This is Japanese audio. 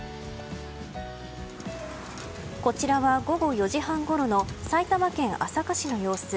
こちらは午後４時半ごろの埼玉県朝霞市の様子。